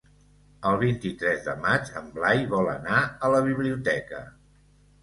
El vint-i-tres de maig en Blai vol anar a la biblioteca.